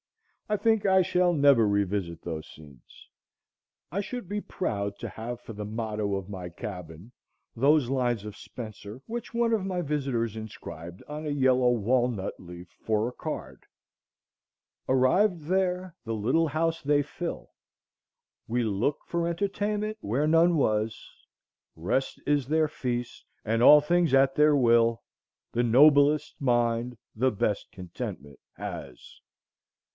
I think I shall never revisit those scenes. I should be proud to have for the motto of my cabin those lines of Spenser which one of my visitors inscribed on a yellow walnut leaf for a card:— "Arrivéd there, the little house they fill, Ne looke for entertainment where none was; Rest is their feast, and all things at their will: The noblest mind the best contentment has."